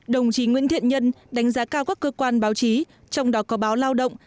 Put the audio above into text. đồng chí nguyễn thiện nhân đánh giá cao các cơ quan báo chí trong đó có báo lao động